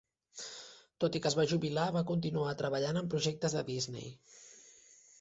Tot i que es va jubilar, va continuar treballant en projectes de Disney.